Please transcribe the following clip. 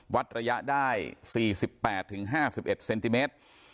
วัดระยะได้๔๘๕๑เซนติเมตร